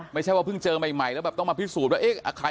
ไม่ใช่ว่าเพิ่งเจอใหม่แล้วแบบต้องมาพิสูจน์ว่าเอ๊ะ